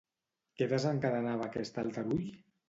Què desencadenava aquest aldarull?